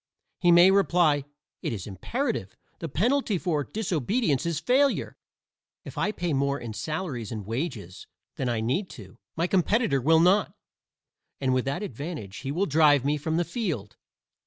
He may reply: "It is imperative; the penalty for disobedience is failure. If I pay more in salaries and wages than I need to, my competitor will not; and with that advantage he will drive me from the field."